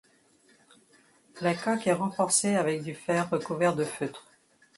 La coque est renforcée avec du fer recouvert de feutre.